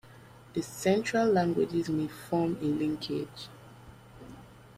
The Central languages may form a linkage.